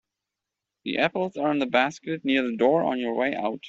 The apples are in the basket near the door on your way out.